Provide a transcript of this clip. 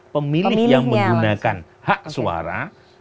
pemilih yang menggunakan hak suara